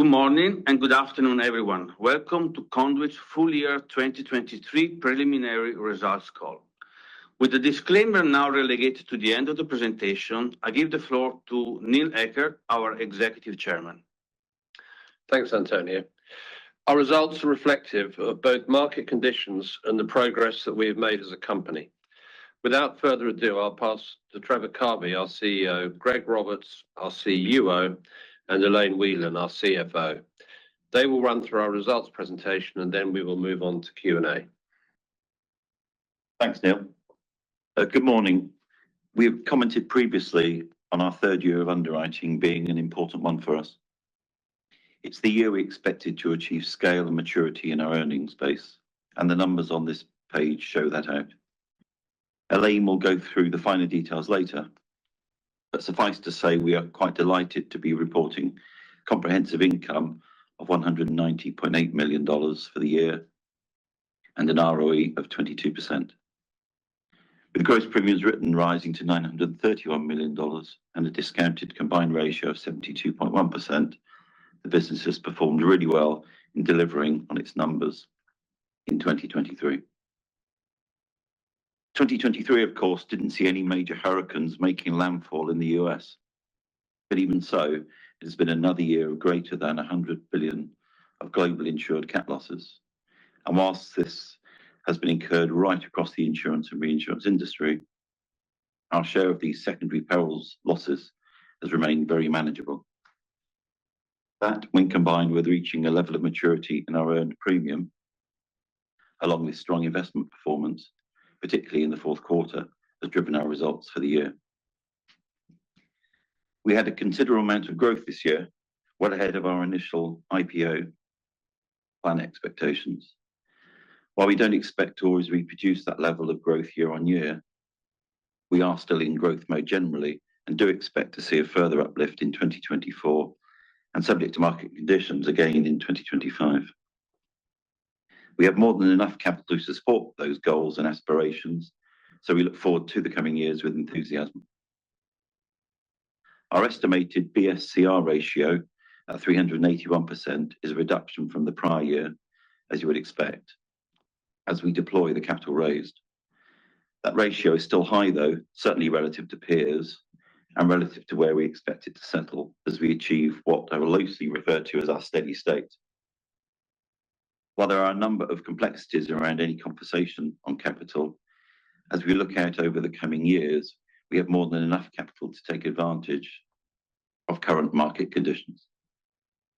Good morning and good afternoon, everyone. Welcome to Conduit's full year 2023 preliminary results call. With the disclaimer now relegated to the end of the presentation, I give the floor to Neil Eckert, our Executive Chairman. Thanks, Antonio. Our results are reflective of both market conditions and the progress that we have made as a company. Without further ado, I'll pass to Trevor Carvey, our CEO, Greg Roberts, our CUO, and Elaine Whelan, our CFO. They will run through our results presentation, and then we will move on to Q&A. Thanks, Neil. Good morning. We have commented previously on our third year of underwriting being an important one for us. It's the year we expected to achieve scale and maturity in our earnings base, and the numbers on this page show that out. Elaine will go through the finer details later, but suffice to say, we are quite delighted to be reporting comprehensive income of $190.8 million for the year and an ROE of 22%. With gross premiums written rising to $931 million and a discounted combined ratio of 72.1%, the business has performed really well in delivering on its numbers in 2023. 2023, of course, didn't see any major hurricanes making landfall in the U.S., but even so, it has been another year of greater than $100 billion of globally insured cat losses. While this has been incurred right across the insurance and reinsurance industry, our share of these secondary perils losses has remained very manageable. That, when combined with reaching a level of maturity in our earned premium along with strong investment performance, particularly in the fourth quarter, has driven our results for the year. We had a considerable amount of growth this year, well ahead of our initial IPO plan expectations. While we don't expect to always reproduce that level of growth year-over-year, we are still in growth mode generally and do expect to see a further uplift in 2024 and subject to market conditions again in 2025. We have more than enough capital to support those goals and aspirations, so we look forward to the coming years with enthusiasm. Our estimated BSCR ratio at 381% is a reduction from the prior year, as you would expect, as we deploy the capital raised. That ratio is still high, though, certainly relative to peers and relative to where we expect it to settle as we achieve what I will loosely refer to as our steady state. While there are a number of complexities around any compensation on capital, as we look out over the coming years, we have more than enough capital to take advantage of current market conditions.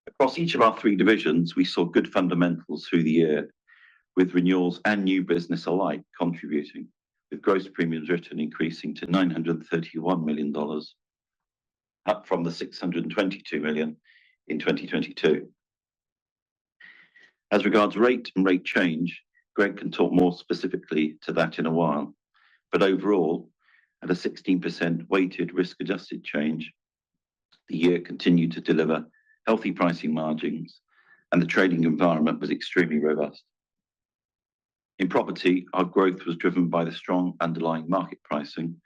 Across each of our three divisions, we saw good fundamentals through the year, with renewals and new business alike contributing, with gross premiums written increasing to $931 million, up from the $622 million in 2022. As regards rate and rate change, Greg can talk more specifically to that in a while. But overall, at a 16% weighted risk-adjusted change, the year continued to deliver healthy pricing margins, and the trading environment was extremely robust. In property, our growth was driven by the strong underlying market pricing,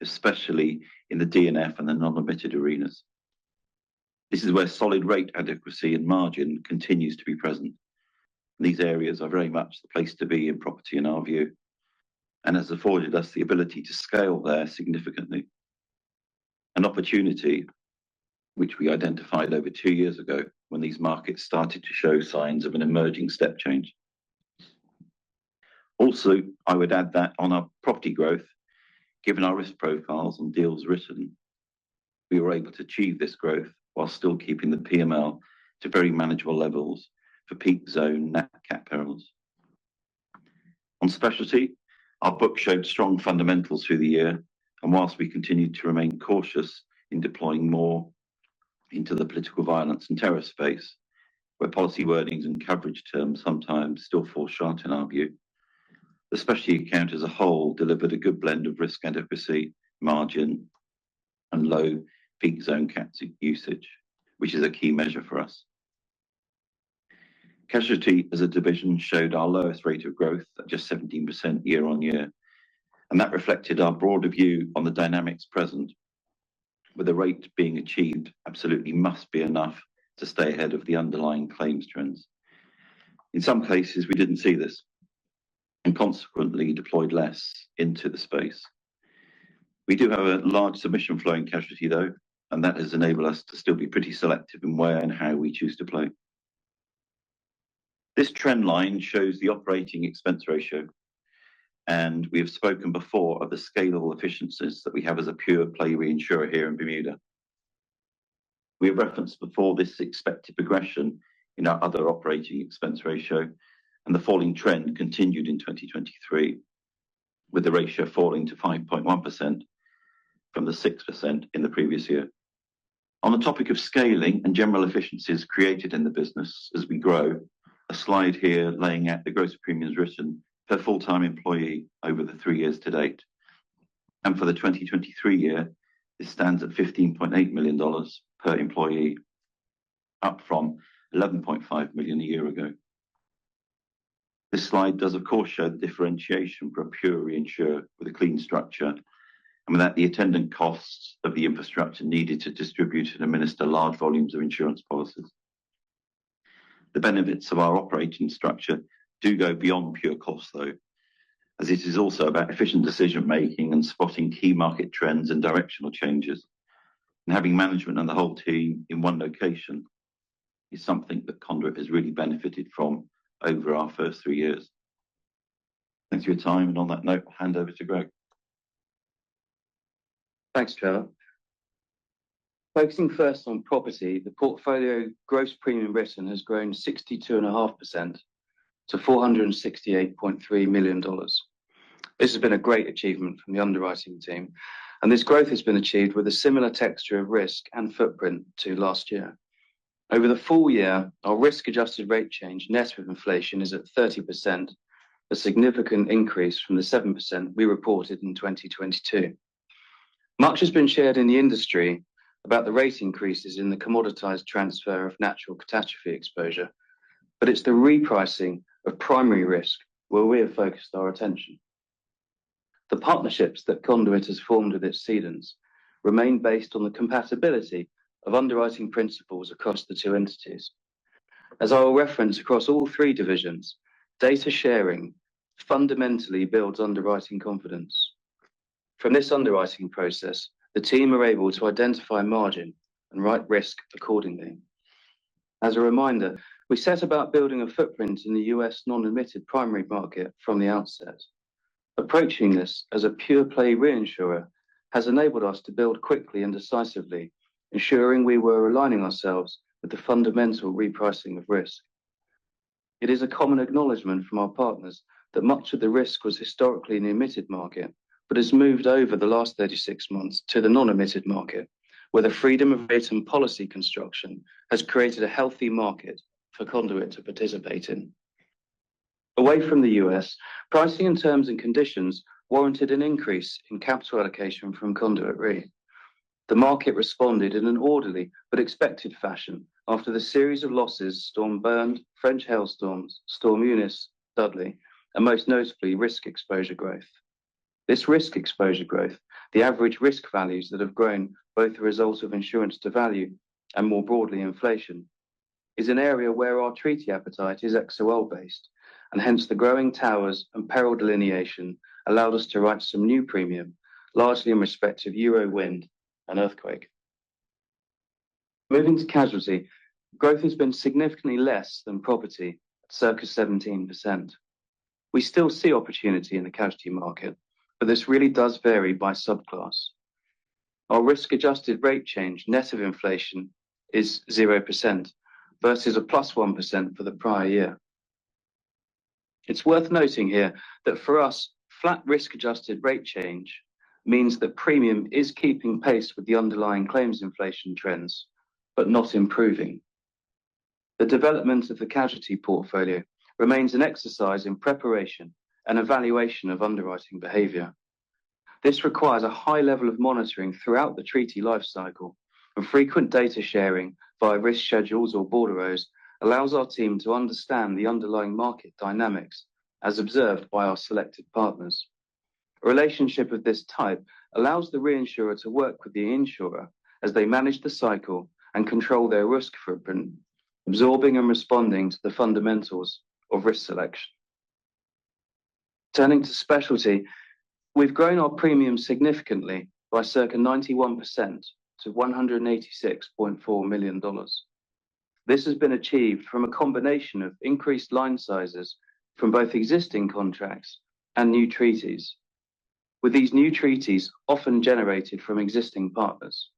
especially in the D&F and the non-admitted arenas. This is where solid rate adequacy and margin continues to be present. These areas are very much the place to be in property, in our view, and has afforded us the ability to scale there significantly. An opportunity which we identified over two years ago when these markets started to show signs of an emerging step change. Also, I would add that on our property growth, given our risk profiles and deals written, we were able to achieve this growth while still keeping the PML to very manageable levels for peak zone net cat perils. On specialty, our book showed strong fundamentals through the year, and while we continued to remain cautious in deploying more into the political violence and terror space, where policy wordings and coverage terms sometimes still fall short in our view, the specialty account as a whole delivered a good blend of risk adequacy, margin, and low peak zone cat usage, which is a key measure for us. Casualty as a division showed our lowest rate of growth at just 17% year-over-year, and that reflected our broader view on the dynamics present. With the rate being achieved, absolutely must be enough to stay ahead of the underlying claims trends. In some cases, we didn't see this and consequently deployed less into the space. We do have a large submission flow in casualty, though, and that has enabled us to still be pretty selective in where and how we choose to play. This trend line shows the operating expense ratio. We have spoken before of the scalable efficiencies that we have as a pure play reinsurer here in Bermuda. We have referenced before this expected progression in our other operating expense ratio, and the falling trend continued in 2023. With the ratio falling to 5.1% from the 6% in the previous year. On the topic of scaling and general efficiencies created in the business as we grow, a slide here laying out the gross premiums written per full-time employee over the three years to date. For the 2023 year, this stands at $15.8 million per employee, up from $11.5 million a year ago. This slide does, of course, show the differentiation for a pure reinsurer with a clean structure. And with that, the attendant costs of the infrastructure needed to distribute and administer large volumes of insurance policies. The benefits of our operating structure do go beyond pure costs, though. As it is also about efficient decision making and spotting key market trends and directional changes. And having management and the whole team in one location is something that Conduit has really benefited from over our first three years. Thanks for your time, and on that note, hand over to Greg. Thanks, Trevor. Focusing first on property, the portfolio gross premium written has grown 62.5% to $468.3 million. This has been a great achievement from the underwriting team, and this growth has been achieved with a similar texture of risk and footprint to last year. Over the full year, our risk-adjusted rate change net with inflation is at 30%, a significant increase from the 7% we reported in 2022. Much has been shared in the industry about the rate increases in the commoditized transfer of natural catastrophe exposure, but it's the repricing of primary risk where we have focused our attention. The partnerships that Conduit has formed with its cedants remain based on the compatibility of underwriting principles across the two entities. As I will reference across all three divisions, data sharing fundamentally builds underwriting confidence. From this underwriting process, the team are able to identify margin and write risk accordingly. As a reminder, we set about building a footprint in the U.S. non-admitted primary market from the outset. Approaching this as a pure-play reinsurer has enabled us to build quickly and decisively, ensuring we were aligning ourselves with the fundamental repricing of risk. It is a common acknowledgement from our partners that much of the risk was historically in the admitted market, but has moved over the last 36 months to the non-admitted market, where the freedom of rate and policy construction has created a healthy market for Conduit to participate in. Away from the U.S., pricing and terms and conditions warranted an increase in capital allocation from Conduit Re. The market responded in an orderly but expected fashion after the series of losses Storm Bernd, French hailstorms, Storm Eunice, Storm Dudley, and most notably, risk exposure growth. This risk exposure growth, the average risk values that have grown both the result of insurance to value and more broadly inflation, is an area where our treaty appetite is XOL-based, and hence the growing towers and peril delineation allowed us to write some new premium, largely in respect of euro wind and earthquake. Moving to casualty, growth has been significantly less than property at circa 17%. We still see opportunity in the casualty market, but this really does vary by subclass. Our risk-adjusted rate change net of inflation is 0% versus +1% for the prior year. It's worth noting here that for us, flat risk-adjusted rate change means that premium is keeping pace with the underlying claims inflation trends, but not improving. The development of the casualty portfolio remains an exercise in preparation and evaluation of underwriting behavior. This requires a high level of monitoring throughout the treaty lifecycle, and frequent data sharing via risk schedules or bordereaux allows our team to understand the underlying market dynamics as observed by our selected partners. A relationship of this type allows the reinsurer to work with the insurer as they manage the cycle and control their risk footprint, absorbing and responding to the fundamentals of risk selection. Turning to specialty, we've grown our premium significantly by circa 91% to $186.4 million. This has been achieved from a combination of increased line sizes from both existing contracts and new treaties, with these new treaties often generated from existing partners.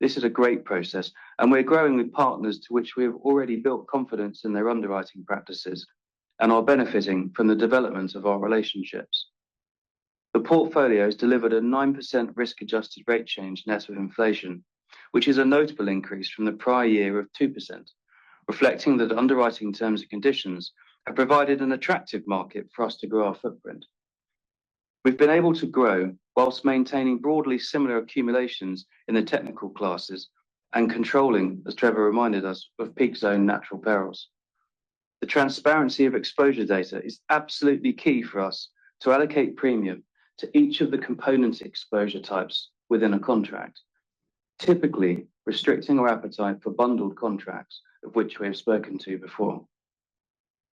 This is a great process, and we're growing with partners to which we have already built confidence in their underwriting practices and are benefiting from the development of our relationships. The portfolio has delivered a 9% risk-adjusted rate change net of inflation, which is a notable increase from the prior year of 2%, reflecting that underwriting terms and conditions have provided an attractive market for us to grow our footprint. We've been able to grow while maintaining broadly similar accumulations in the technical classes and controlling, as Trevor reminded us, of peak zone natural perils. The transparency of exposure data is absolutely key for us to allocate premium to each of the component exposure types within a contract, typically restricting our appetite for bundled contracts of which we have spoken to before.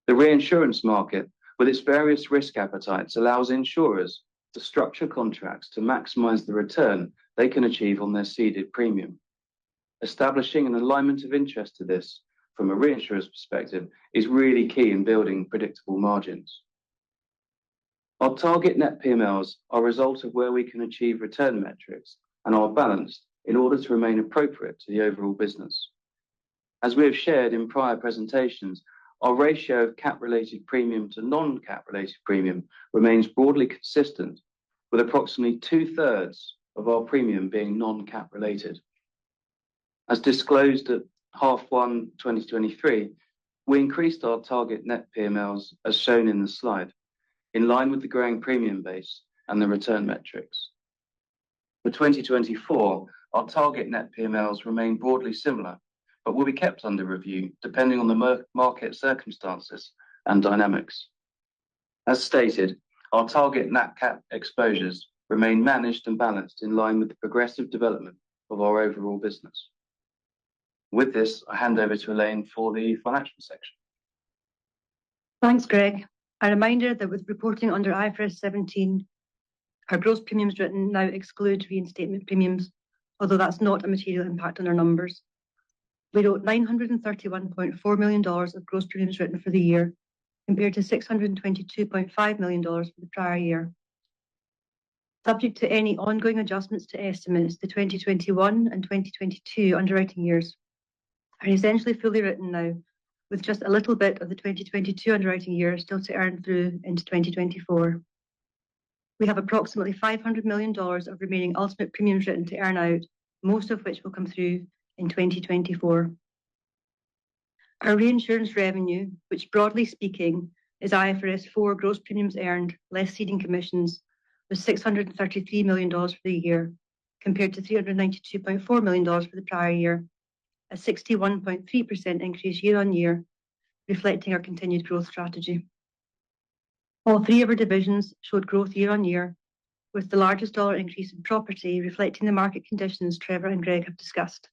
The reinsurance market, with its various risk appetites, allows insurers to structure contracts to maximize the return they can achieve on their ceded premium. Establishing an alignment of interest to this from a reinsurer's perspective is really key in building predictable margins. Our target net PMLs are a result of where we can achieve return metrics and are balanced in order to remain appropriate to the overall business. As we have shared in prior presentations, our ratio of cat-related premium to non-cat-related premium remains broadly consistent, with approximately two-thirds of our premium being non-cat-related. As disclosed at half one, 2023, we increased our target net PMLs as shown in the slide, in line with the growing premium base and the return metrics. For 2024, our target net PMLs remain broadly similar, but will be kept under review depending on the market circumstances and dynamics. As stated, our target net cat exposures remain managed and balanced in line with the progressive development of our overall business. With this, I hand over to Elaine for the financial section. Thanks, Greg. A reminder that with reporting under IFRS 17, our gross premiums written now exclude reinstatement premiums, although that's not a material impact on our numbers. We wrote $931.4 million of gross premiums written for the year, compared to $622.5 million for the prior year. Subject to any ongoing adjustments to estimates, the 2021 and 2022 underwriting years are essentially fully written now, with just a little bit of the 2022 underwriting year still to earn through into 2024. We have approximately $500 million of remaining ultimate premiums written to earn out, most of which will come through in 2024. Our reinsurance revenue, which broadly speaking is IFRS 4 gross premiums earned less ceding commissions, was $633 million for the year, compared to $392.4 million for the prior year, a 61.3% increase year-over-year, reflecting our continued growth strategy. All three of our divisions showed growth year-on-year, with the largest dollar increase in property reflecting the market conditions Trevor and Greg have discussed.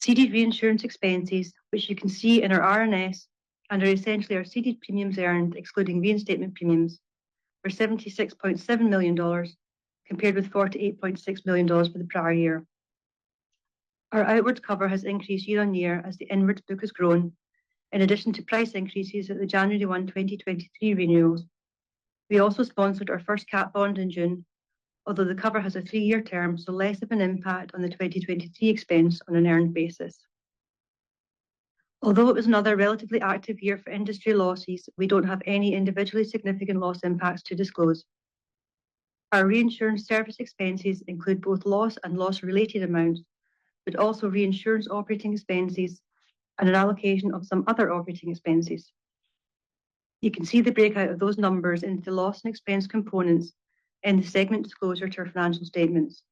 Ceded reinsurance expenses, which you can see in our RNS and are essentially our seeded premiums earned, excluding reinstatement premiums, were $76.7 million compared with $48.6 million for the prior year. Our outward cover has increased year-on-year as the inwards book has grown, in addition to price increases at the January 1, 2023 renewals. We also sponsored our first cat bond in June, although the cover has a three year term, so less of an impact on the 2023 expense on an earned basis. Although it was another relatively active year for industry losses, we don't have any individually significant loss impacts to disclose. Our reinsurance service expenses include both loss and loss-related amounts, but also reinsurance operating expenses and an allocation of some other operating expenses. You can see the breakout of those numbers into the loss and expense components in the segment disclosure to our financial statements.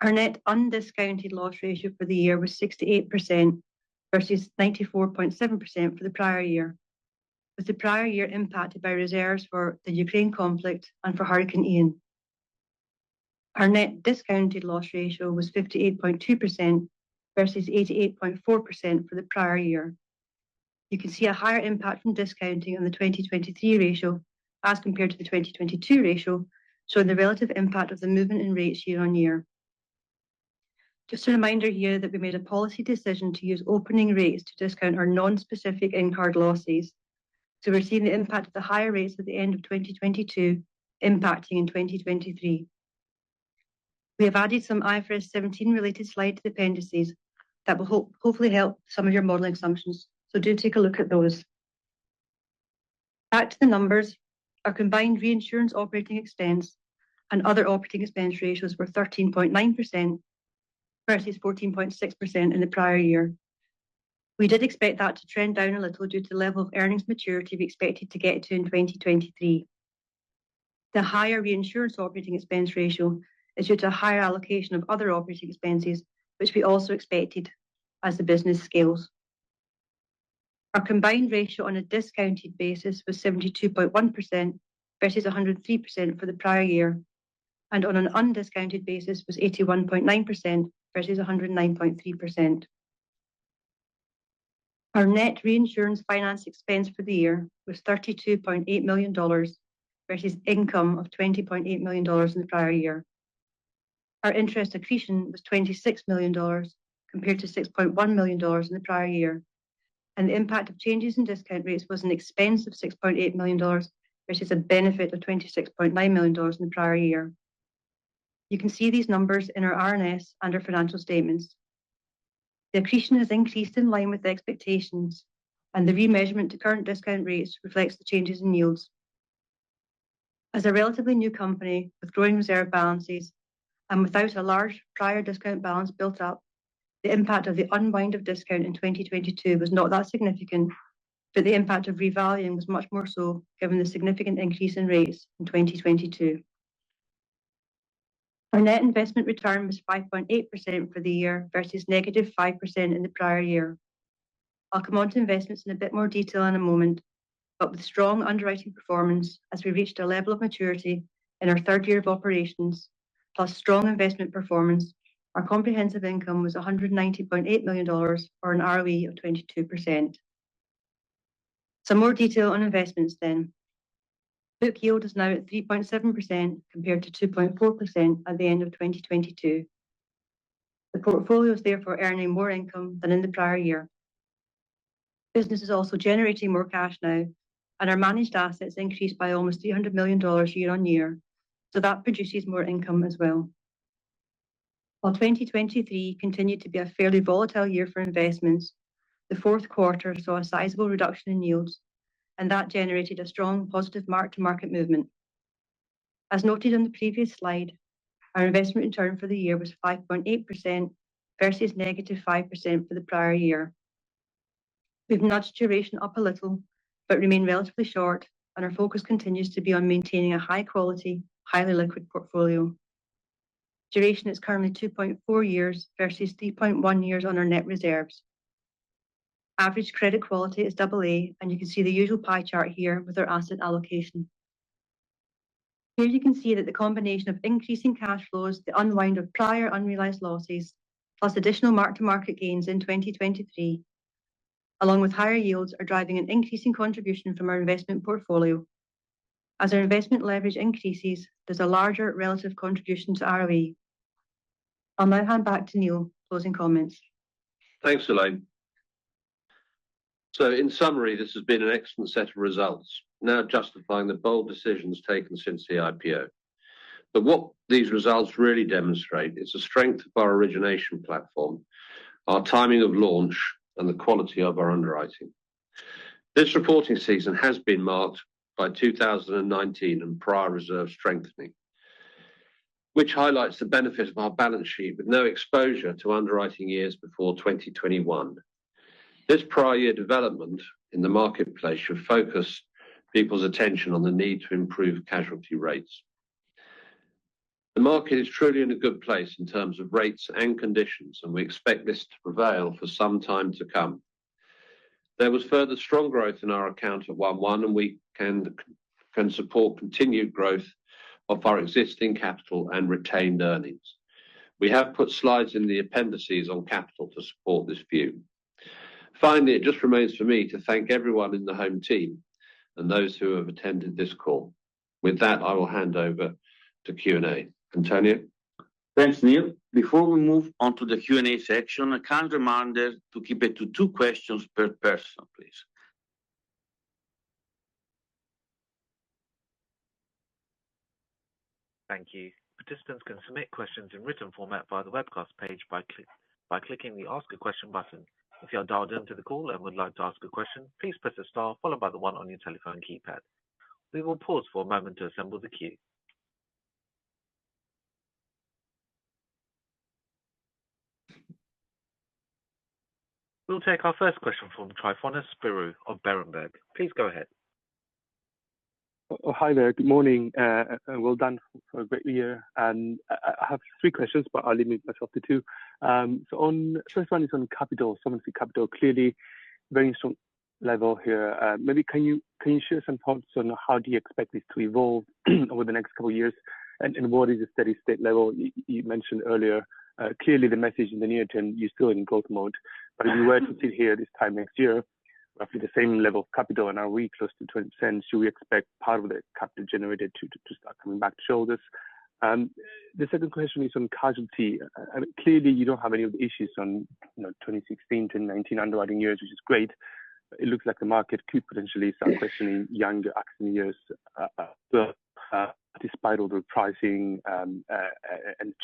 Our net undiscounted loss ratio for the year was 68% versus 94.7% for the prior year, with the prior year impacted by reserves for the Ukraine conflict and for Hurricane Ian. Our net discounted loss ratio was 58.2% versus 88.4% for the prior year. You can see a higher impact from discounting on the 2023 ratio as compared to the 2022 ratio, showing the relative impact of the movement in rates year on year. Just a reminder here that we made a policy decision to use opening rates to discount our non-specific incurred losses. We're seeing the impact of the higher rates at the end of 2022 impacting in 2023. We have added some IFRS 17 related slide to dependencies that will hopefully help some of your modeling assumptions, so do take a look at those. Back to the numbers. Our combined reinsurance operating expense and other operating expense ratios were 13.9% versus 14.6% in the prior year. We did expect that to trend down a little due to the level of earnings maturity we expected to get to in 2023. The higher reinsurance operating expense ratio is due to a higher allocation of other operating expenses, which we also expected as the business scales. Our combined ratio on a discounted basis was 72.1% versus 103% for the prior year, and on an undiscounted basis was 81.9% versus 109.3%. Our net reinsurance finance expense for the year was $32.8 million versus income of $20.8 million in the prior year. Our interest accretion was $26 million compared to $6.1 million in the prior year. The impact of changes in discount rates was an expense of $6.8 million versus a benefit of $26.9 million in the prior year. You can see these numbers in our RNS and our financial statements. The accretion has increased in line with expectations, and the remeasurement to current discount rates reflects the changes in yields. As a relatively new company with growing reserve balances and without a large prior discount balance built up, the impact of the unwind of discount in 2022 was not that significant, but the impact of revaluing was much more so, given the significant increase in rates in 2022. Our net investment return was 5.8% for the year versus negative 5% in the prior year. I'll come on to investments in a bit more detail in a moment, but with strong underwriting performance as we reached a level of maturity in our third year of operations, plus strong investment performance, our comprehensive income was $190.8 million, or an ROE of 22%. Some more detail on investments, then. Book yield is now at 3.7% compared to 2.4% at the end of 2022. The portfolio is therefore earning more income than in the prior year. Business is also generating more cash now, and our managed assets increased by almost $300 million year-on-year, so that produces more income as well. While 2023 continued to be a fairly volatile year for investments, the fourth quarter saw a sizable reduction in yields, and that generated a strong positive mark-to-market movement. As noted on the previous slide, our investment return for the year was 5.8% versus negative 5% for the prior year. We've nudged duration up a little, but remain relatively short, and our focus continues to be on maintaining a high quality, highly liquid portfolio. Duration is currently two point four years versus three point one years on our net reserves. Average credit quality is AA, and you can see the usual pie chart here with our asset allocation. Here you can see that the combination of increasing cash flows, the unwind of prior unrealized losses, plus additional mark-to-market gains in 2023, along with higher yields, are driving an increasing contribution from our investment portfolio. As our investment leverage increases, there's a larger relative contribution to ROE. I'll now hand back to Neil for closing comments. Thanks, Elaine. So in summary, this has been an excellent set of results, now justifying the bold decisions taken since the IPO. But what these results really demonstrate is the strength of our origination platform, our timing of launch, and the quality of our underwriting. This reporting season has been marked by 2019 and prior reserve strengthening, which highlights the benefit of our balance sheet with no exposure to underwriting years before 2021. This prior year development in the marketplace should focus people's attention on the need to improve casualty rates. The market is truly in a good place in terms of rates and conditions, and we expect this to prevail for some time to come. There was further strong growth in our account at 1:1, and we can support continued growth of our existing capital and retained earnings. We have put slides in the appendices on capital to support this view. Finally, it just remains for me to thank everyone in the home team and those who have attended this call. With that, I will hand over to Q&A. Antonio? Thanks, Neil. Before we move on to the Q&A section, a kind reminder to keep it to two questions per person, please. Thank you. Participants can submit questions in written format via the webcast page by clicking the "Ask a Question" button. If you are dialed into the call and would like to ask a question, please press the star followed by the one on your telephone keypad. We will pause for a moment to assemble the queue. We'll take our first question from Tryfonas Spyrou of Berenberg. Please go ahead. Hi there. Good morning. Well done for a great year. I have three questions, but I'll limit myself to two. So, on. First one is on capital. Solvency capital. Clearly, very strong level here. Maybe can you share some thoughts on how do you expect this to evolve over the next couple of years, and what is a steady state level? You mentioned earlier, clearly the message in the near term, you're still in growth mode. But if you were to sit here this time next year, roughly the same level of capital and ROE, close to 20%, should we expect part of the capital generated to start coming back to show this? The second question is on casualty. Clearly, you don't have any of the issues on 2016-2019 underwriting years, which is great. It looks like the market could potentially start questioning younger accident years despite all the repricing and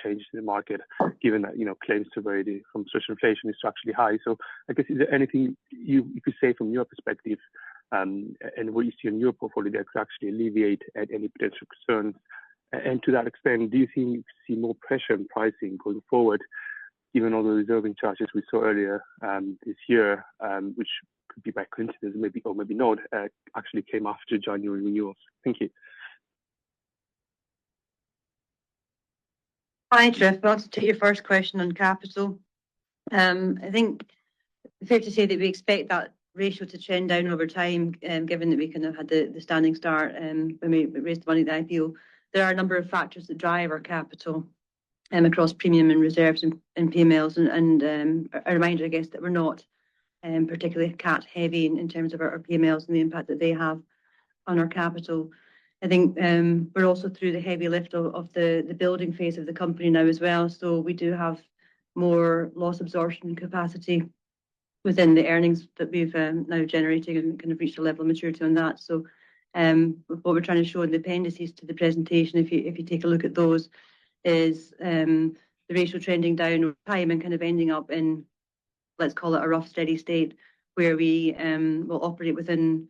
change in the market, given that claims severity from social inflation is structurally high. So I guess, is there anything you could say from your perspective and what you see in your portfolio that could actually alleviate any potential concerns? And to that extent, do you think you see more pressure in pricing going forward, given all the reserving charges we saw earlier this year, which could be by coincidence, maybe, or maybe not, actually came after January renewals? Thank you. Hi, Jeff. I'd like to take your first question on capital. I think it's fair to say that we expect that ratio to trend down over time, given that we kind of had the standing start when we raised the money at the IPO. There are a number of factors that drive our capital across premiums and reserves and PMLs. A reminder, I guess, that we're not particularly cat-heavy in terms of our PMLs and the impact that they have on our capital. I think we're also through the heavy lift of the building phase of the company now as well. So we do have more loss absorption capacity within the earnings that we've now generated and kind of reached a level of maturity on that. So what we're trying to show in the appendices to the presentation, if you take a look at those, is the ratio trending down over time and kind of ending up in, let's call it, a rough steady state, where we will operate within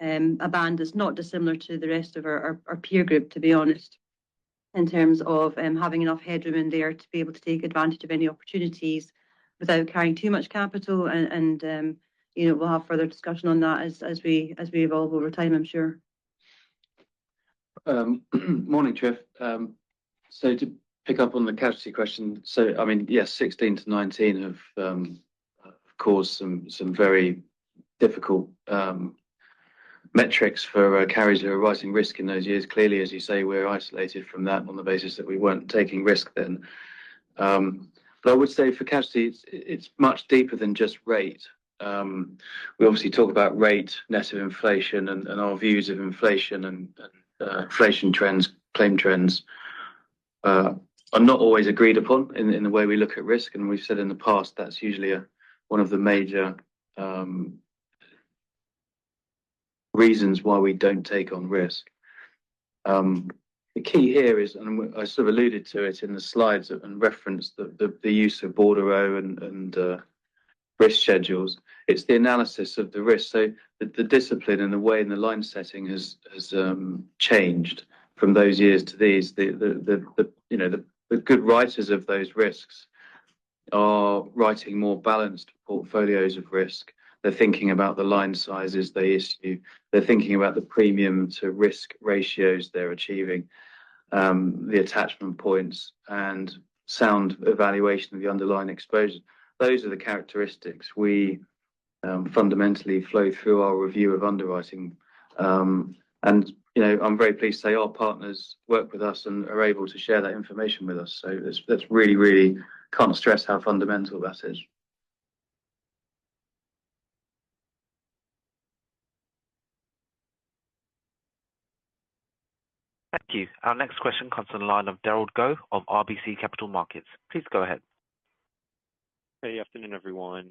a band that's not dissimilar to the rest of our peer group, to be honest, in terms of having enough headroom in there to be able to take advantage of any opportunities without carrying too much capital. And we'll have further discussion on that as we evolve over time, I'm sure. Morning, Jeff. So to pick up on the casualty question. So I mean, yes, 2016-2019 have, of course, some very difficult metrics for carriers who are rising risk in those years. Clearly, as you say, we're isolated from that on the basis that we weren't taking risk then. But I would say for casualty, it's much deeper than just rate. We obviously talk about rate, net of inflation, and our views of inflation and inflation trends, claim trends, are not always agreed upon in the way we look at risk. And we've said in the past that's usually one of the major reasons why we don't take on risk. The key here is, and I sort of alluded to it in the slides and referenced the use of bordereau and risk schedules. It's the analysis of the risk. So the discipline and the way in the line setting has changed from those years to these. The good writers of those risks are writing more balanced portfolios of risk. They're thinking about the line sizes they issue. They're thinking about the premium to risk ratios they're achieving, the attachment points, and sound evaluation of the underlying exposure. Those are the characteristics we fundamentally flow through our review of underwriting. And I'm very pleased to say our partners work with us and are able to share that information with us. So that's really, really. Can't stress how fundamental that is. Thank you. Our next question comes on the line of Darragh Gough of RBC Capital Markets. Please go ahead. Hey, afternoon, everyone.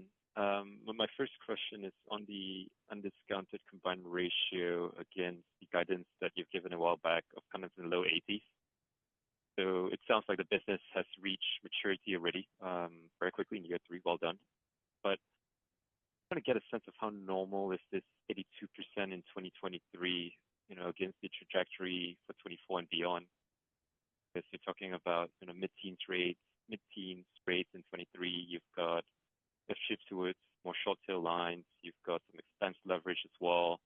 My first question is on the undiscounted combined ratio against the guidance that you've given a while back of kind of the low 80s. So it sounds like the business has reached maturity already very quickly in year three. Well done. But I want to get a sense of how normal is this 82% in 2023 against the trajectory for 2024 and beyond? I guess you're talking about mid-teens rates. Mid-teens rates in 2023, you've got a shift towards more short tail lines. You've got some expense leverage as well.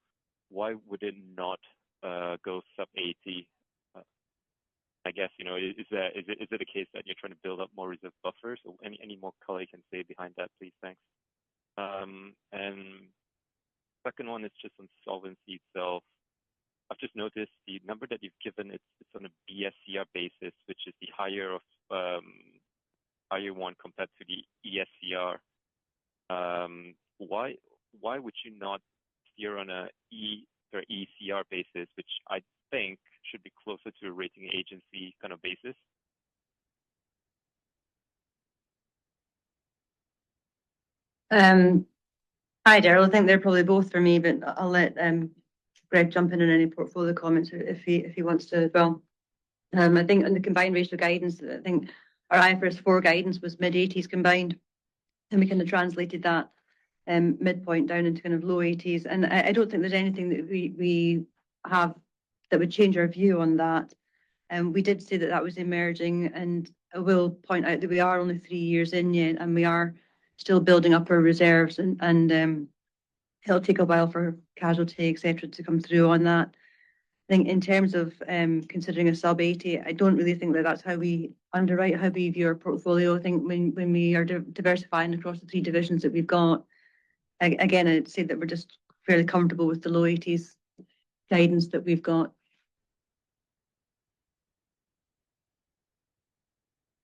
Why would it not go sub 80? I guess, is it a case that you're trying to build up more reserve buffers? Any more color you can say behind that, please? Thanks. And the second one is just on solvency itself. I've just noticed the number that you've given, it's on a BSCR basis, which is the higher one compared to the ECR. Why would you not steer on an ECR basis, which I think should be closer to a rating agency kind of basis? Hi, Darragh. I think they're probably both for me, but I'll let Greg jump in on any portfolio comments if he wants to as well. I think on the combined ratio guidance, I think our IFRS 4 guidance was mid-80s% combined. And we kind of translated that midpoint down into kind of low 80s%. And I don't think there's anything that we have that would change our view on that. We did say that that was emerging. And I will point out that we are only three years in yet, and we are still building up our reserves. And it'll take a while for casualty, etc., to come through on that. I think in terms of considering a sub-80%, I don't really think that that's how we underwrite, how we view our portfolio. I think when we are diversifying across the three divisions that we've got, again, I'd say that we're just fairly comfortable with the low 80s guidance that we've got.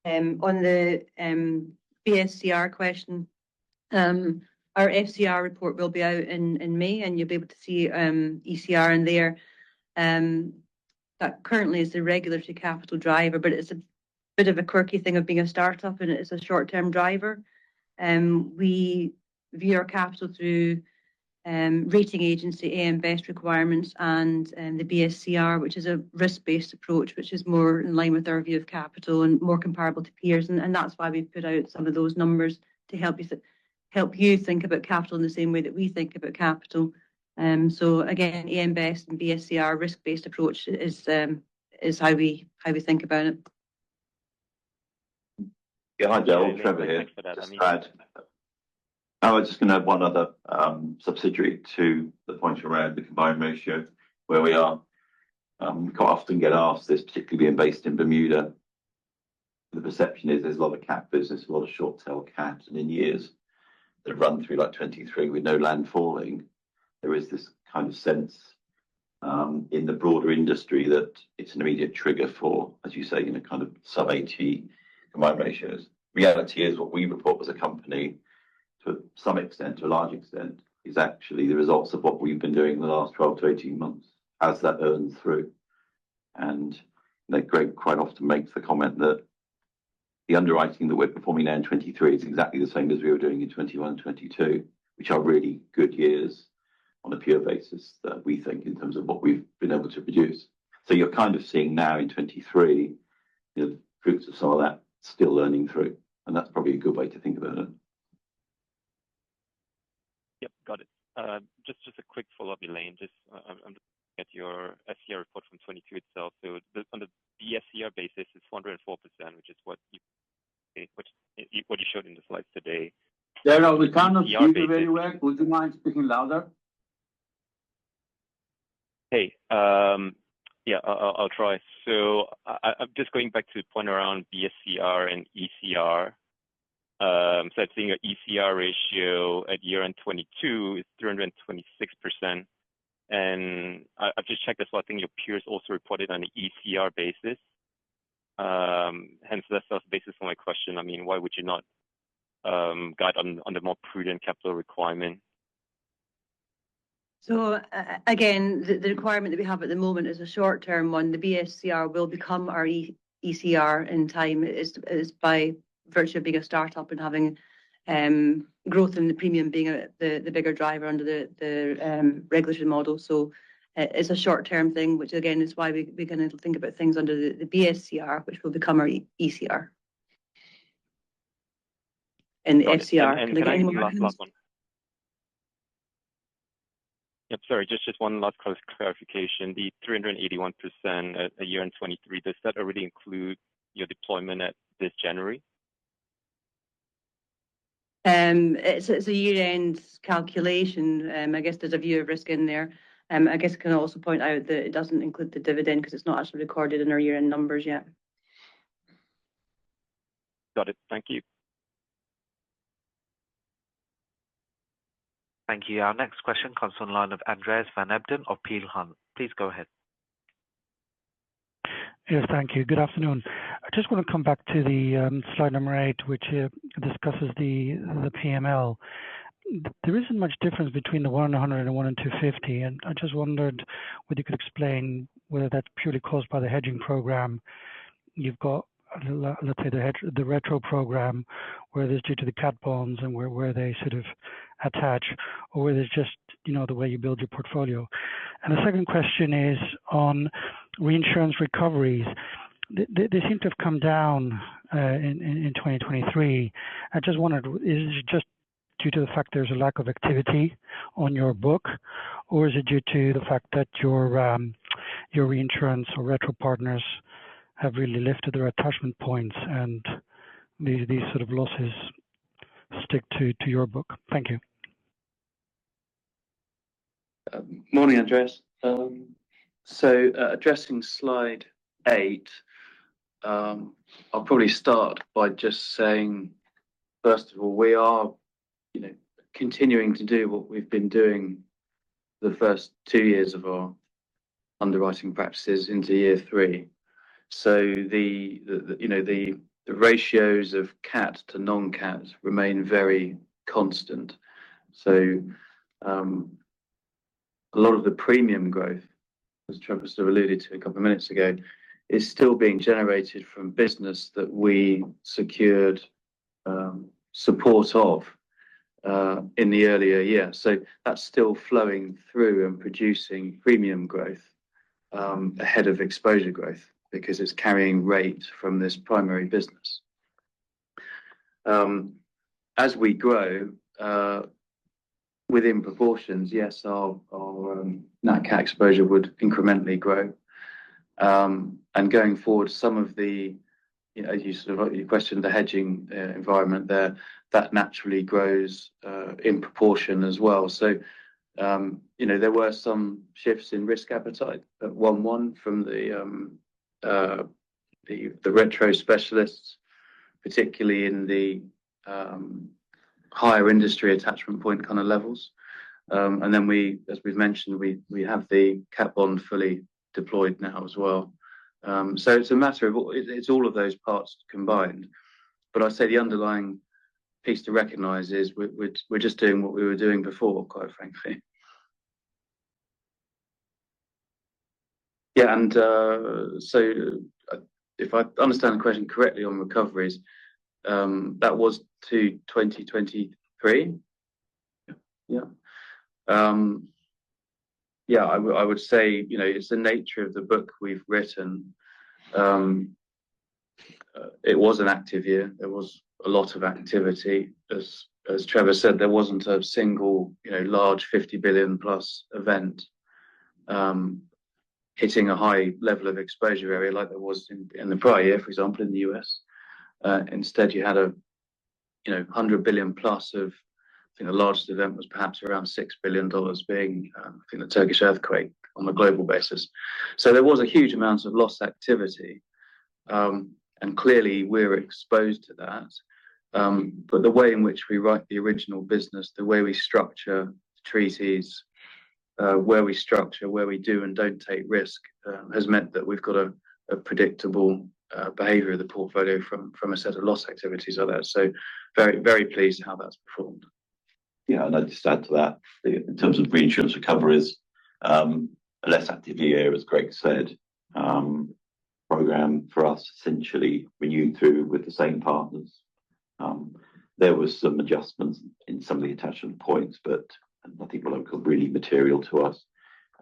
On the BSCR question, our ECR report will be out in May, and you'll be able to see ECR in there. That currently is the regulatory capital driver, but it's a bit of a quirky thing of being a startup, and it's a short-term driver. We view our capital through rating agency AM Best requirements and the BSCR, which is a risk-based approach, which is more in line with our view of capital and more comparable to peers. And that's why we've put out some of those numbers to help you think about capital in the same way that we think about capital. So again, AM Best and BSCR risk-based approach is how we think about it. Yeah. Hi, Darragh. Trevor here. Just Greg. Oh, I was just going to add one other subsidiary to the point around the combined ratio where we are. We quite often get asked this, particularly being based in Bermuda. The perception is there's a lot of cat business, a lot of short tail cats, and in years that have run through like 2023 with no land falling, there is this kind of sense in the broader industry that it's an immediate trigger for, as you say, kind of sub-80 combined ratios. Reality is what we report as a company, to some extent, to a large extent, is actually the results of what we've been doing the last 12-18 months as that earns through. Greg quite often makes the comment that the underwriting that we're performing now in 2023 is exactly the same as we were doing in 2021 and 2022, which are really good years on a pure basis that we think in terms of what we've been able to produce. You're kind of seeing now in 2023 groups of some of that still earning through. That's probably a good way to think about it. Yep, got it. Just a quick follow-up, Elaine. Just, I'm looking at your ECR report from 2022 itself. So on the BSCR basis, it's 104%, which is what you showed in the slides today. Darragh, we can't not see you very well. Would you mind speaking louder? Hey. Yeah, I'll try. So I'm just going back to the point around BSCR and ECR. So I think your ECR ratio at year end 2022 is 326%. And I've just checked this. Well, I think your peers also reported on an ECR basis. Hence, that's also based on my question. I mean, why would you not guide on the more prudent capital requirement? So again, the requirement that we have at the moment is a short-term one. The BSCR will become our ECR in time. It's by virtue of being a startup and having growth and the premium being the bigger driver under the regulatory model. So it's a short-term thing, which, again, is why we kind of think about things under the BSCR, which will become our ECR and the FCR. And then last one. Yep, sorry. Just one last close clarification. The 381% a year in 2023, does that already include your deployment at this January? It's a year-end calculation. I guess there's a view of risk in there. I guess I can also point out that it doesn't include the dividend because it's not actually recorded in our year-end numbers yet. Got it. Thank you. Thank you. Our next question comes on the line of Andreas van Embden of Peel Hunt. Please go ahead. Yes, thank you. Good afternoon. I just want to come back to the slide number eight, which discusses the PML. There isn't much difference between the one-in-100 and the one-in-250. I just wondered whether you could explain whether that's purely caused by the hedging program. You've got, let's say, the retro program where it is due to the cat bonds and where they sort of attach, or whether it's just the way you build your portfolio. The second question is on reinsurance recoveries. They seem to have come down in 2023. I just wondered, is it just due to the fact there's a lack of activity on your book, or is it due to the fact that your reinsurance or retro partners have really lifted their attachment points and these sort of losses stick to your book? Thank you. Morning, Andreas. So addressing slide eight, I'll probably start by just saying, first of all, we are continuing to do what we've been doing the first two years of our underwriting practices into year three. So the ratios of cat to non-cat remain very constant. So a lot of the premium growth, as Trevor sort of alluded to a couple of minutes ago, is still being generated from business that we secured support of in the earlier year. So that's still flowing through and producing premium growth ahead of exposure growth because it's carrying rate from this primary business. As we grow within proportions, yes, our nat cat exposure would incrementally grow. And going forward, some of the as you sort of questioned the hedging environment there, that naturally grows in proportion as well. So there were some shifts in risk appetite at 1:1 from the retro specialists, particularly in the higher industry attachment point kind of levels. And then, as we've mentioned, we have the cat bond fully deployed now as well. So it's a matter of it's all of those parts combined. But I'd say the underlying piece to recognize is we're just doing what we were doing before, quite frankly. Yeah. And so if I understand the question correctly on recoveries, that was to 2023? Yeah. Yeah. Yeah. I would say it's the nature of the book we've written. It was an active year. There was a lot of activity. As Trevor said, there wasn't a single large $50 billion+ event hitting a high level of exposure area like there was in the prior year, for example, in the U.S. Instead, you had $100+ billion of I think the largest event was perhaps around $6 billion being, I think, the Turkish earthquake on a global basis. So there was a huge amount of loss activity. And clearly, we're exposed to that. But the way in which we write the original business, the way we structure treaties, where we structure, where we do and don't take risk has meant that we've got a predictable behaviour of the portfolio from a set of loss activities like that. So very, very pleased how that's performed. Yeah. And I'd just add to that. In terms of reinsurance recoveries, a less active year, as Greg said, program for us essentially renewed through with the same partners. There were some adjustments in some of the attachment points, but nothing really material to us.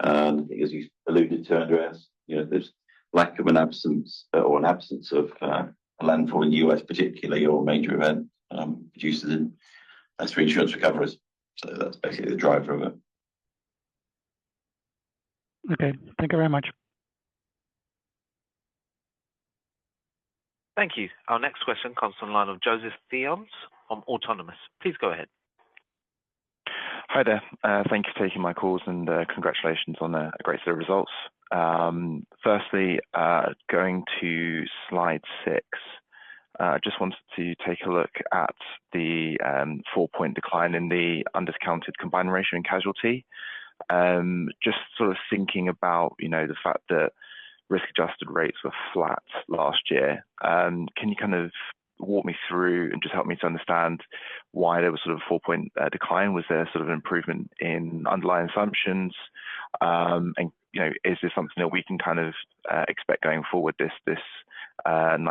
I think, as you alluded to, Andreas, there's lack of an absence or an absence of landfall in the U.S., particularly, or major event producers as reinsurance recoveries. So that's basically the driver of it. Okay. Thank you very much. Thank you. Our next question comes on the line of Joseph Sheridan from Autonomous. Please go ahead. Hi there. Thanks for taking my calls, and congratulations on a great set of results. Firstly, going to slide six, I just wanted to take a look at the four-point decline in the undiscounted combined ratio and casualty. Just sort of thinking about the fact that risk-adjusted rates were flat last year, can you kind of walk me through and just help me to understand why there was sort of a four-point decline? Was there sort of an improvement in underlying assumptions? And is this something that we can kind of expect going forward, this 96%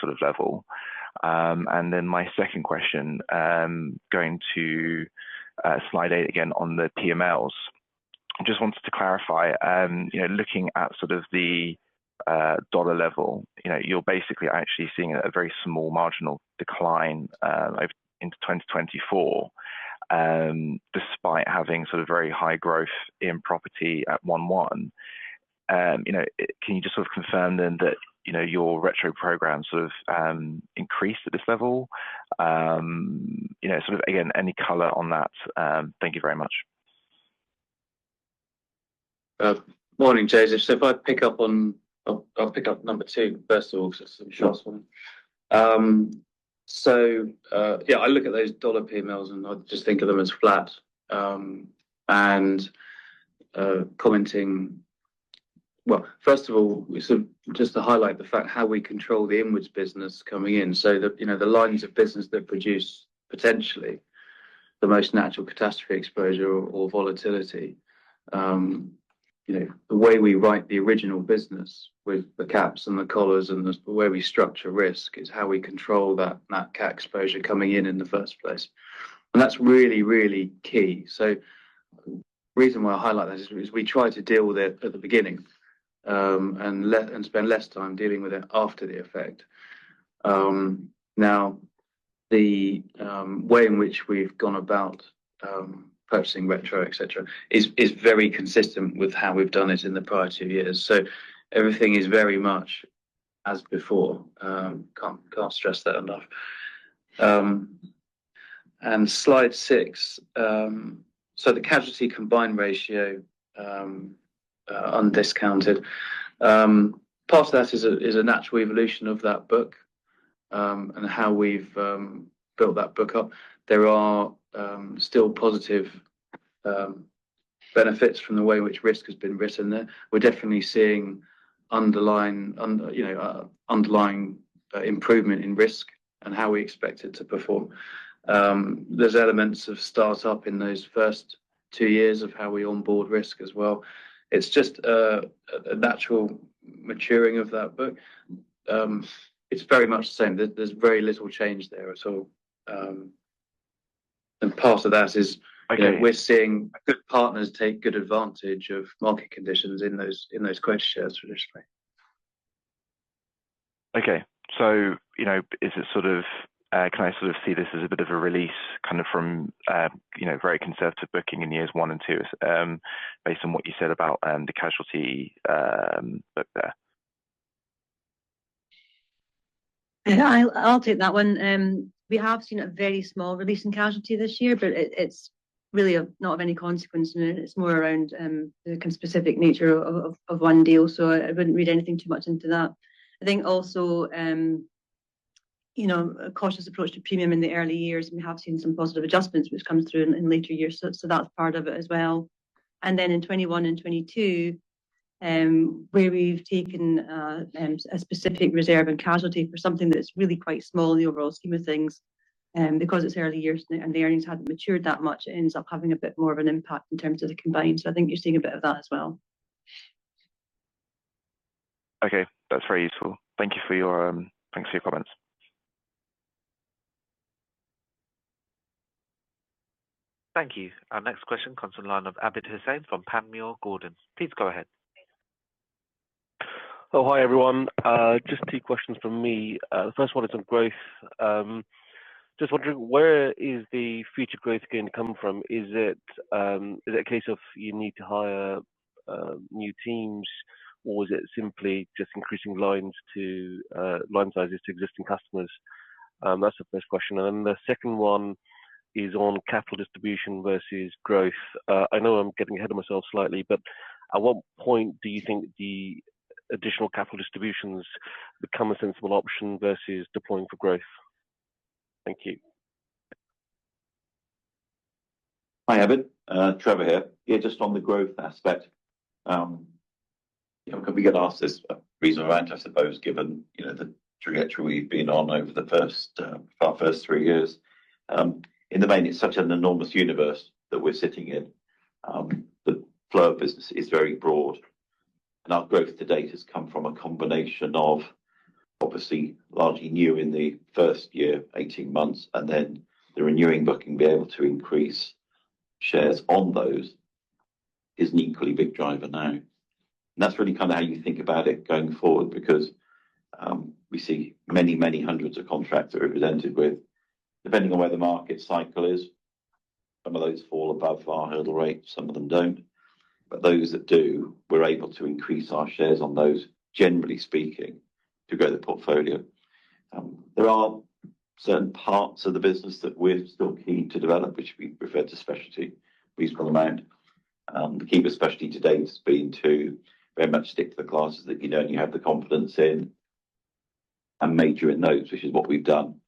sort of level? And then my second question, going to slide eight again on the PMLs, just wanted to clarify. Looking at sort of the dollar level, you're basically actually seeing a very small marginal decline into 2024 despite having sort of very high growth in property at 1:1. Can you just sort of confirm then that your retro program sort of increased at this level? Sort of, again, any color on that? Thank you very much. Morning, Joseph. So I'll pick up number two, first of all, because it's the shortest one. So yeah, I look at those dollar PMLs, and I just think of them as flat. And commenting, well, first of all, just to highlight the fact how we control the inwards business coming in. So the lines of business that produce potentially the most natural catastrophe exposure or volatility, the way we write the original business with the caps and the collars and the way we structure risk is how we control that cat exposure coming in in the first place. And that's really, really key. So the reason why I highlight that is we try to deal with it at the beginning and spend less time dealing with it after the effect. Now, the way in which we've gone about purchasing retro, etc., is very consistent with how we've done it in the prior two years. So everything is very much as before. Can't stress that enough. And slide six, so the casualty combined ratio undiscounted, part of that is a natural evolution of that book and how we've built that book up. There are still positive benefits from the way in which risk has been written there. We're definitely seeing underlying improvement in risk and how we expect it to perform. There's elements of startup in those first two years of how we onboard risk as well. It's just a natural maturing of that book. It's very much the same. There's very little change there at all. And part of that is we're seeing good partners take good advantage of market conditions in those quota shares traditionally. Okay. So can I sort of see this as a bit of a release kind of from very conservative booking in years one and two based on what you said about the casualty book there? Yeah. I'll take that one. We have seen a very small release in casualty this year, but it's really not of any consequence in it. It's more around the kind of specific nature of one deal. So I wouldn't read anything too much into that. I think also, a cautious approach to premium in the early years. We have seen some positive adjustments, which comes through in later years. So that's part of it as well. And then in 2021 and 2022, where we've taken a specific reserve and casualty for something that's really quite small in the overall scheme of things, because it's early years and the earnings haven't matured that much, it ends up having a bit more of an impact in terms of the combined. So I think you're seeing a bit of that as well. Okay. That's very useful. Thank you for your comments. Thank you. Our next question comes on the line of Abid Hussain from Panmure Gordon. Please go ahead. Oh, hi, everyone. Just two questions from me. The first one is on growth. Just wondering, where is the future growth going to come from? Is it a case of you need to hire new teams, or is it simply just increasing line sizes to existing customers? That's the first question. And then the second one is on capital distribution versus growth. I know I'm getting ahead of myself slightly, but at what point do you think the additional capital distributions become a sensible option versus deploying for growth? Thank you. Hi, Abid. Trevor here. Yeah, just on the growth aspect, can we get asked this question around, I suppose, given the trajectory we've been on over the past first three years? In the main, it's such an enormous universe that we're sitting in. The flow of business is very broad. And our growth to date has come from a combination of, obviously, largely new in the first year, 18 months, and then the renewing booking being able to increase shares on those is an equally big driver now. And that's really kind of how you think about it going forward because we see many, many hundreds of contracts that are presented with, depending on where the market cycle is, some of those fall above our hurdle rate, some of them don't. But those that do, we're able to increase our shares on those, generally speaking, to grow the portfolio. There are certain parts of the business that we're still keen to develop, which we refer to specialty, reasonable amount. The key for specialty to date has been to very much stick to the classes that you know and you have the confidence in and major in those, which is what we've done.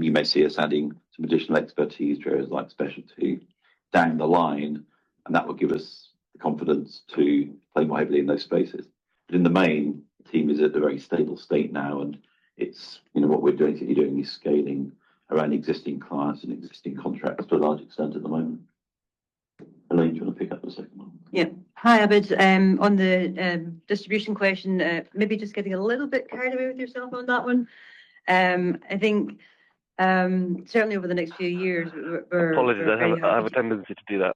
You may see us adding some additional expertise areas like specialty down the line, and that will give us the confidence to play more heavily in those spaces. But in the main, the team is at a very stable state now, and what we're doing is scaling around existing clients and existing contracts to a large extent at the moment. Elaine, do you want to pick up the second one? Yeah. Hi, Abid. On the distribution question, maybe just getting a little bit carried away with yourself on that one. I think certainly over the next few years, we're. Apologies. I have a tendency to do that.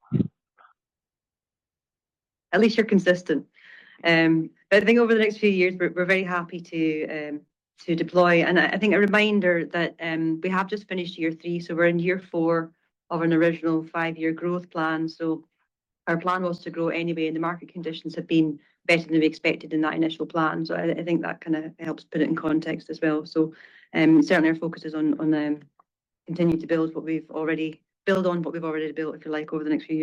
At least you're consistent. But I think over the next few years, we're very happy to deploy. And I think a reminder that we have just finished year three, so we're in year four of an original five-year growth plan. So our plan was to grow anyway, and the market conditions have been better than we expected in that initial plan. So I think that kind of helps put it in context as well. So certainly, our focus is on continuing to build what we've already built on what we've already built, if you like, over the next few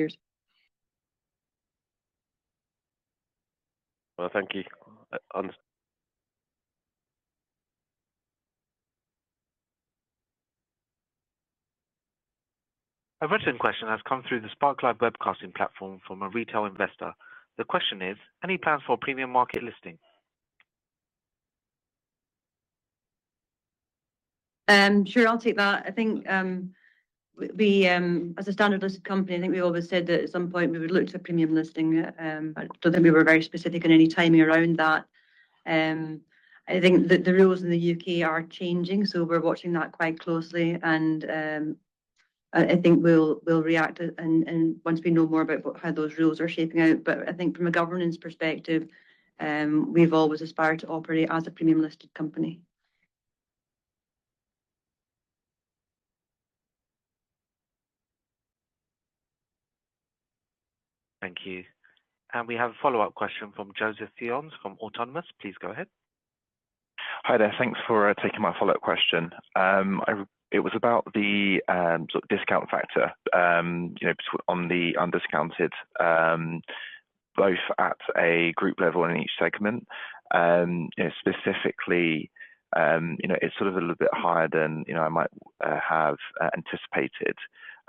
years. Well, thank you. A written question has come through the SparkCloud webcasting platform from a retail investor. The question is, "Any plans for premium market listing? Sure. I'll take that. I think as a standard listed company, I think we've always said that at some point, we would look to premium listing. I don't think we were very specific on any timing around that. I think the rules in the U.K. are changing, so we're watching that quite closely. And I think we'll react once we know more about how those rules are shaping out. But I think from a governance perspective, we've always aspired to operate as a premium listed company. Thank you. We have a follow-up question from Joseph Sheridan from Autonomous. Please go ahead. Hi there. Thanks for taking my follow-up question. It was about the sort of discount factor on the undiscounted, both at a group level and in each segment. Specifically, it's sort of a little bit higher than I might have anticipated.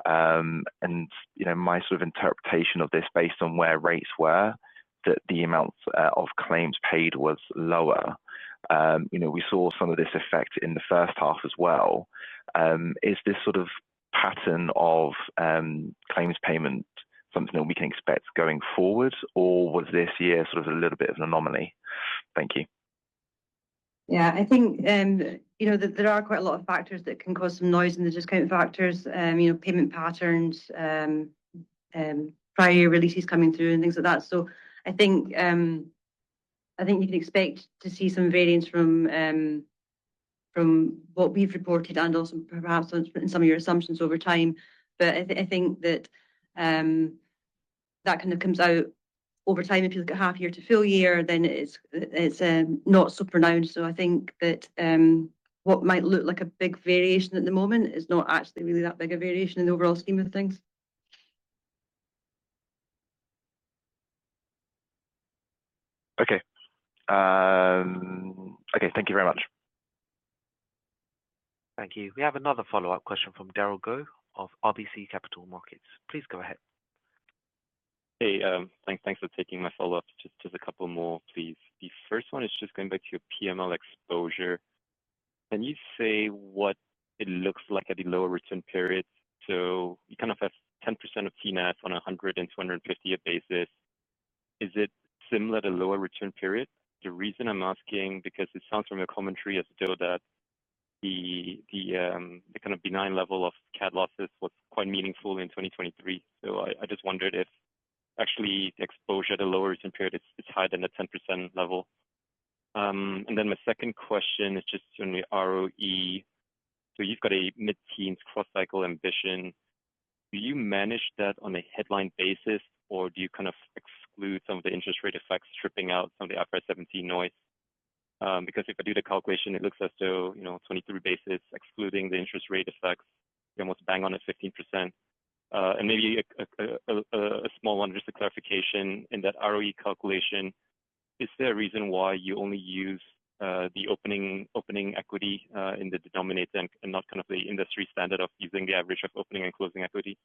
My sort of interpretation of this, based on where rates were, that the amount of claims paid was lower. We saw some of this effect in the first half as well. Is this sort of pattern of claims payment something that we can expect going forward, or was this year sort of a little bit of an anomaly? Thank you. Yeah. I think there are quite a lot of factors that can cause some noise in the discount factors, payment patterns, prior releases coming through, and things like that. So I think you can expect to see some variance from what we've reported and also perhaps in some of your assumptions over time. But I think that that kind of comes out over time. If you look at half-year to full-year, then it's not super nuanced. So I think that what might look like a big variation at the moment is not actually really that big a variation in the overall scheme of things. Okay. Okay. Thank you very much. Thank you. We have another follow-up question from Darragh Gough of RBC Capital Markets. Please go ahead. Hey. Thanks for taking my follow-up. Just a couple more, please. The first one is just going back to your PML exposure. Can you say what it looks like at the lower return period? So you kind of have 10% of TNAV on a 100and 250 year basis. Is it similar at a lower return period? The reason I'm asking, because it sounds from your commentary as though the kind of benign level of CAD losses was quite meaningful in 2023. So I just wondered if actually, the exposure at a lower return period is higher than the 10% level. And then my second question is just on the ROE. So you've got a mid-teens cross-cycle ambition. Do you manage that on a headline basis, or do you kind of exclude some of the interest rate effects stripping out some of the IFRS 17 noise? Because if I do the calculation, it looks as though 23 basis, excluding the interest rate effects, you almost bang on at 15%. And maybe a small one, just a clarification, in that ROE calculation, is there a reason why you only use the opening equity in the denominator and not kind of the industry standard of using the average of opening and closing equity?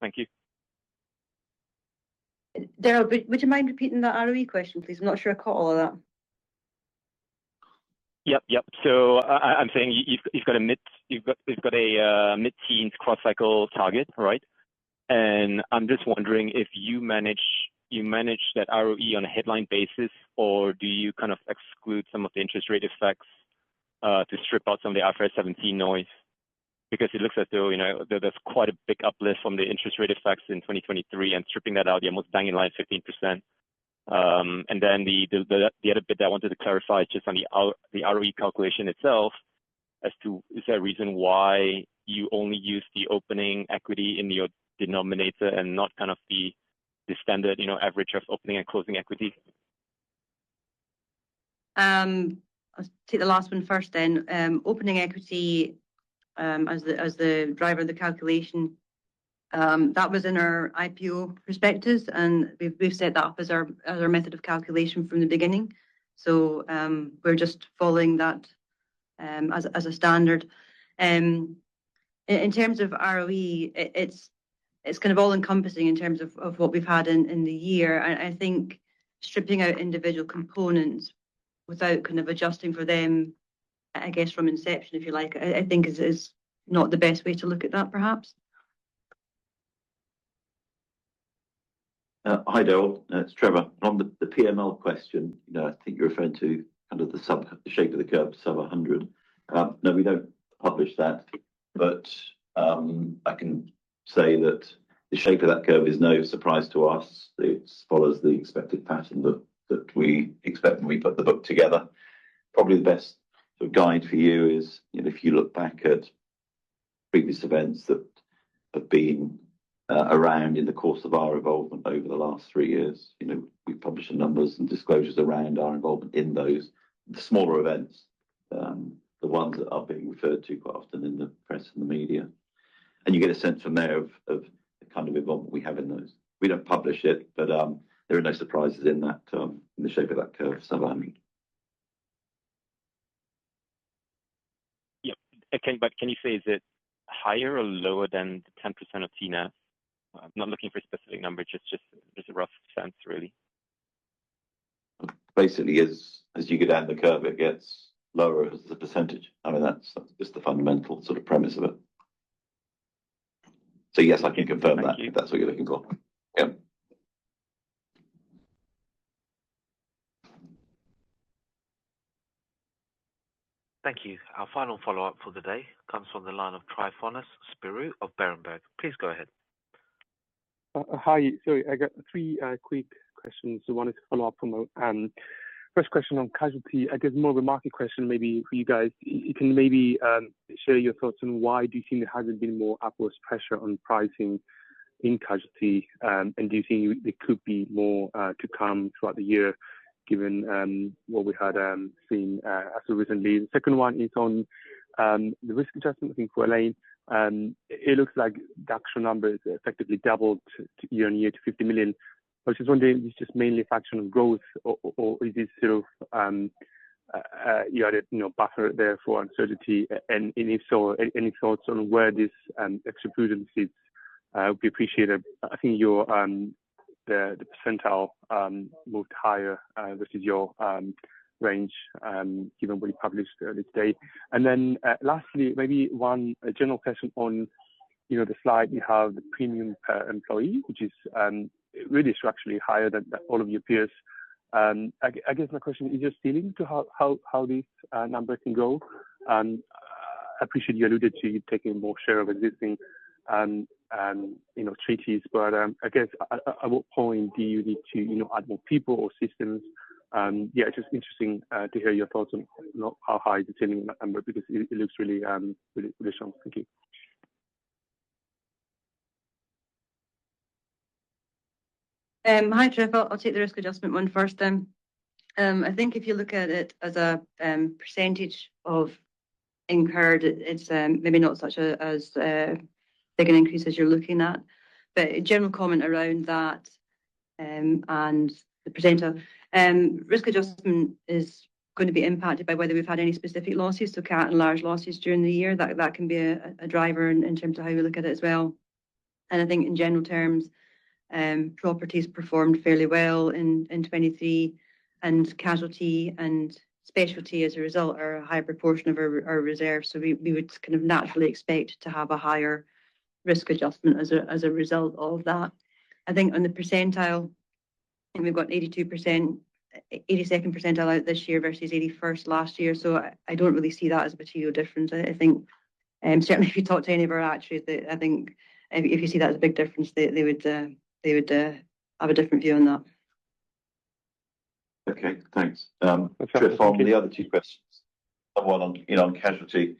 Thank you. Darragh, would you mind repeating the ROE question, please? I'm not sure I caught all of that. Yep, yep. So I'm saying you've got a mid-teens cross-cycle target, right? And I'm just wondering if you manage that ROE on a headline basis, or do you kind of exclude some of the interest rate effects to strip out some of the IFRS 17 noise? Because it looks as though there's quite a big uplift from the interest rate effects in 2023, and stripping that out, you're almost banging line 15%. And then the other bit that I wanted to clarify is just on the ROE calculation itself as to is there a reason why you only use the opening equity in your denominator and not kind of the standard average of opening and closing equity? I'll take the last one first then. Opening equity as the driver of the calculation, that was in our IPO perspectus, and we've set that up as our method of calculation from the beginning. So we're just following that as a standard. In terms of ROE, it's kind of all-encompassing in terms of what we've had in the year. And I think stripping out individual components without kind of adjusting for them, I guess, from inception, if you like, I think is not the best way to look at that, perhaps. Hi, Darragh. It's Trevor. On the PML question, I think you're referring to kind of the shape of the curve, sub-100. No, we don't publish that. But I can say that the shape of that curve is no surprise to us. It follows the expected pattern that we expect when we put the book together. Probably the best sort of guide for you is if you look back at previous events that have been around in the course of our involvement over the last three years. We publish the numbers and disclosures around our involvement in those, the smaller events, the ones that are being referred to quite often in the press and the media. And you get a sense from there of the kind of involvement we have in those. We don't publish it, but there are no surprises in the shape of that curve, sub-100. Yep. But can you say is it higher or lower than the 10% of TNAF? I'm not looking for a specific number. Just a rough sense, really. Basically, as you get down the curve, it gets lower as the percentage. I mean, that's just the fundamental sort of premise of it. So yes, I can confirm that. That's what you're looking for. Yep. Thank you. Our final follow-up for the day comes from the line of Tryfonas Spyrou of Berenberg. Please go ahead. Hi. Sorry. I got three quick questions. The one is a follow-up from first question on casualty. I guess more of a market question, maybe for you guys. Can you maybe share your thoughts on why do you think there hasn't been more upwards pressure on pricing in casualty? And do you think there could be more to come throughout the year, given what we had seen as of recently? The second one is on the risk adjustment. I think for Elaine, it looks like the actual number has effectively doubled year-over-year to $50 million. I was just wondering, is this just mainly a function of growth, or is this sort of you added buffer there for uncertainty? And if so, any thoughts on where this extra prudence is? We appreciate it. I think the percentile moved higher versus your range, given what you published earlier today. And then lastly, maybe one general question on the slide. You have the premium per employee, which is really structurally higher than all of your peers. I guess my question is your ceiling to how this number can go. I appreciate you alluded to you taking more share of existing treaties. But I guess at what point do you need to add more people or systems? Yeah, just interesting to hear your thoughts on how high the ceiling on that number because it looks really really strong. Thank you. Hi, Tryfonas. I'll take the risk adjustment one first then. I think if you look at it as a percentage of incurred, it's maybe not such a big an increase as you're looking at. But general comment around that and the percentile, risk adjustment is going to be impacted by whether we've had any specific losses, so CAD and large losses during the year. That can be a driver in terms of how we look at it as well. And I think in general terms, properties performed fairly well in 2023, and casualty and specialty as a result are a higher proportion of our reserve. So we would kind of naturally expect to have a higher risk adjustment as a result of that. I think on the percentile, I think we've got 82%, 82ndpercentile out this year versus 81stlast year. I don't really see that as a material difference. I think certainly, if you talk to any of our actuaries, I think if you see that as a big difference, they would have a different view on that. Okay. Thanks. Tryfonas, from the other two questions, one on casualty,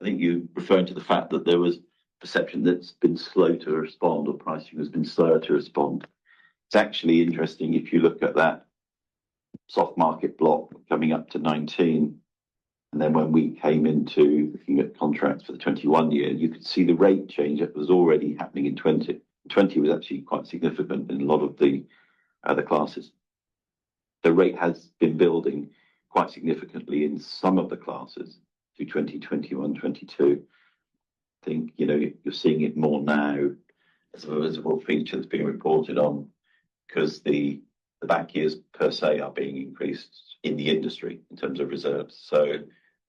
I think you're referring to the fact that there was perception that's been slow to respond or pricing has been slower to respond. It's actually interesting if you look at that soft market block coming up to 2019. And then when we came into looking at contracts for the 2021 year, you could see the rate change. It was already happening in 2020. 2020 was actually quite significant in a lot of the classes. The rate has been building quite significantly in some of the classes through 2021, 2022. I think you're seeing it more now as a result of all the features being reported on because the back years, per se, are being increased in the industry in terms of reserves. So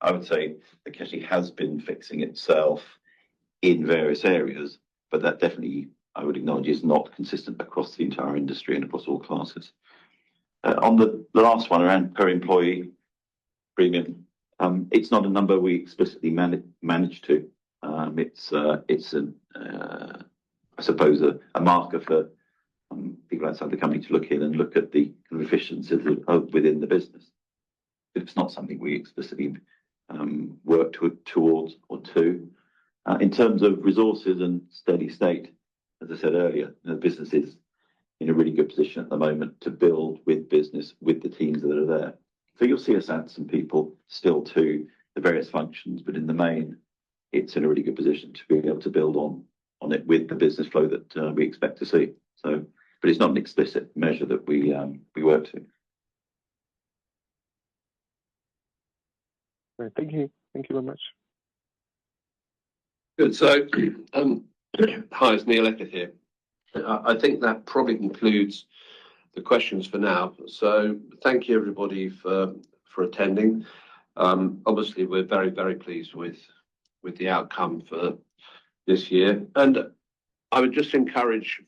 I would say the casualty has been fixing itself in various areas, but that definitely, I would acknowledge, is not consistent across the entire industry and across all classes. On the last one around per employee premium, it's not a number we explicitly manage to. It's, I suppose, a marker for people outside the company to look in and look at the kind of efficiencies within the business. But it's not something we explicitly work towards or to. In terms of resources and steady state, as I said earlier, the business is in a really good position at the moment to build with business with the teams that are there. So you'll see us add some people still to the various functions, but in the main, it's in a really good position to be able to build on it with the business flow that we expect to see. But it's not an explicit measure that we work to. Great. Thank you. Thank you very much. Good. So hi, it's Neil Eckert here. I think that probably concludes the questions for now. So thank you, everybody, for attending. Obviously, we're very, very pleased with the outcome for this year. And I would just encourage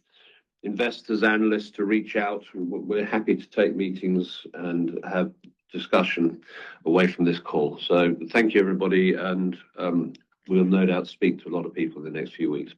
investors, analysts to reach out. We're happy to take meetings and have discussion away from this call. So thank you, everybody. And we'll no doubt speak to a lot of people in the next few weeks.